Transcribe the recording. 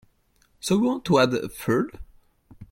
So you want to add a third?